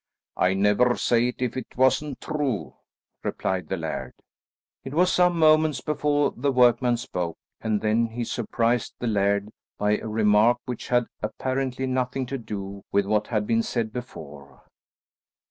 "I'd never say it, if it wasn't true," replied the laird. It was some moments before the workman spoke, and then he surprised the laird by a remark which had apparently nothing to do with what had been said before.